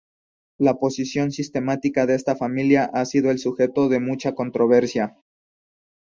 La posición sistemática de esta familia ha sido el sujeto de mucha controversia.